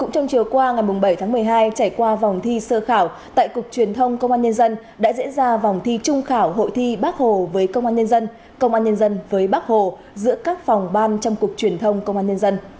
trong chiều qua ngày bảy tháng một mươi hai trải qua vòng thi sơ khảo tại cục truyền thông công an nhân dân đã diễn ra vòng thi trung khảo hội thi bác hồ với công an nhân dân công an nhân dân với bắc hồ giữa các phòng ban trong cục truyền thông công an nhân dân